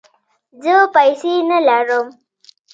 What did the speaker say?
زه پیسې نه لرم